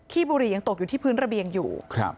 บุรียังตกอยู่ที่พื้นระเบียงอยู่